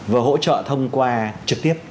vừa hỗ trợ thông qua trực tiếp